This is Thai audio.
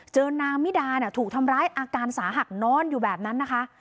นางมิดาถูกทำร้ายอาการสาหัสนอนอยู่แบบนั้นนะคะ